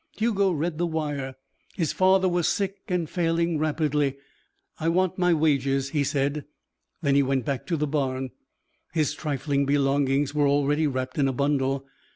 Hugo read the wire. His father was sick and failing rapidly. "I want my wages," he said. Then he went back to the barn. His trifling belongings were already wrapped in a bundle.